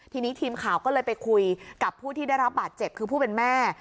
ทีนี้ทีมข่าวก็เลยไปคุยกับผู้ที่ได้รับบาดเจ็บคือผู้เป็นแม่